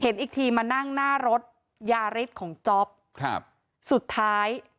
เห็นอีกทีมานั่งหน้ารถยาฤทธิ์ของจ๊อปครับสุดท้าย